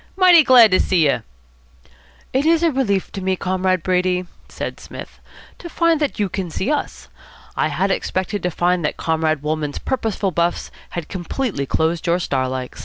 Mighty glad to see you." "It is a relief to me, Comrade Brady," said Psmith, "to find that you can see us. I had expected to find that Comrade Wolmann's purposeful buffs had completely closed your star likes."